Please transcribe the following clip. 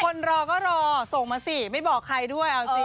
รอก็รอส่งมาสิไม่บอกใครด้วยเอาสิ